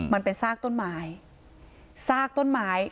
มันเป็นซากต้นไม้